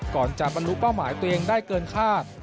ก่อนจะบรรลุเป้าหมายตัวเองได้เกินคาด